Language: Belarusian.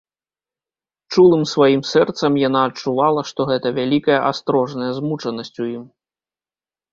Чулым сваім сэрцам яна адчувала, што гэта вялікая астрожная змучанасць у ім.